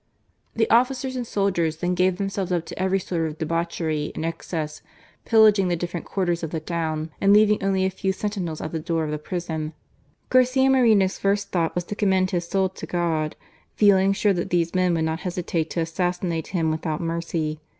The officers and soldiers then gave themselves up to every sort of debauchery and excess, pillaging the different quarters of the town and leaving only a few sentinels at the door of the prison. Garcia Moreno's first thought was to commend his soul to God, feeling sure that these men would not hesitate to assassinate him without mercy.